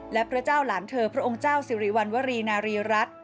และพระเจ้าหลานเธอพระองค์เจ้าสิริวัณวรีนารีรัฐ